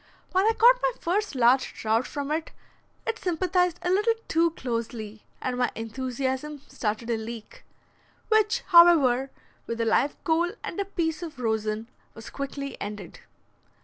When I caught my first large trout from it, it sympathized a little too closely, and my enthusiasm started a leak, which, however, with a live coal and a piece of rosin, was quickly ended.